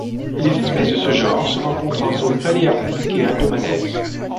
Les espèces de ce genre se rencontrent en zone paléarctique et indomalaise.